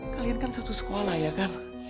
kalian kan susu sekolah ya kan